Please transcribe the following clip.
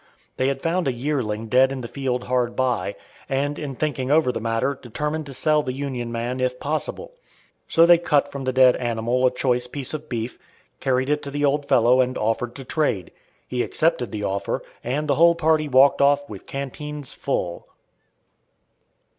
They had found a yearling dead in the field hard by, and in thinking over the matter determined to sell the Union man if possible. So they cut from the dead animal a choice piece of beef, carried it to the old fellow and offered to trade. He accepted the offer, and the whole party walked off with canteens full.